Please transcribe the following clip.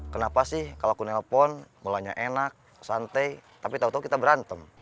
kenapa sih kalau aku nelpon mulanya enak santai tapi tau tau kita berantem